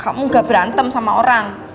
kamu gak berantem sama orang